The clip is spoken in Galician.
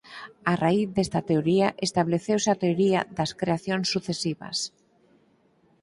A raíz desta teoría estableceuse a Teoría das creacións sucesivas.